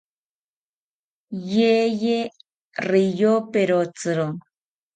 Yeye riyoperotziro